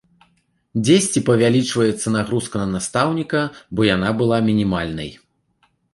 Дзесьці павялічваецца нагрузка на настаўніка, бо яна была мінімальнай.